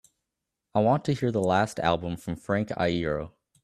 I want to hear the last album from Frank Iero